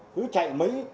cứ chạy mới